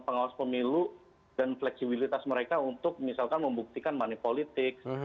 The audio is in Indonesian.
pengawasan pemilu dan fleksibilitas mereka untuk misalkan membuktikan mani politik